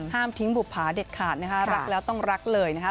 ห้ามทิ้งบุภาเด็ดขาดนะคะรักแล้วต้องรักเลยนะคะ